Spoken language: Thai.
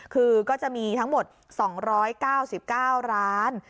คือก็จะมีทั้งหมด๒๙๙ร้าน